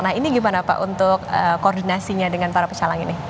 nah ini gimana pak untuk koordinasinya dengan para pecalang ini